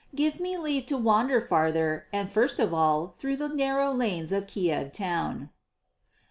Give me leave to wander farther, and first of all through the narrow lanes of Kiev town."